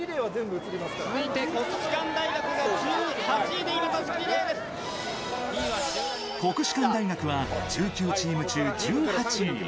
続いて国士舘大学が１８位で国士舘大学は１９チーム中１８位。